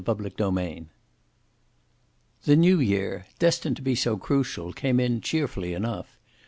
CHAPTER XVII The New year, destined to be so crucial, came in cheerfully enough.